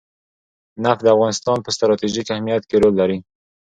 نفت د افغانستان په ستراتیژیک اهمیت کې رول لري.